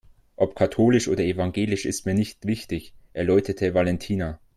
Ob katholisch oder evangelisch ist mir nicht wichtig, erläuterte Valentina.